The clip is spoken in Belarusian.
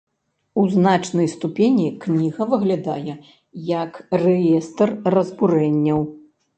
У значнай ступені кніга выглядае як рэестр разбурэнняў.